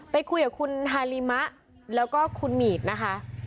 ไปคุยกับคุณฮาลีมะแล้วก็คุณหมีดนะคะ